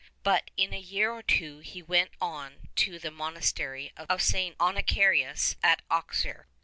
But in a year or two he went on to the monastery of St. Aunacharius at Auxerre.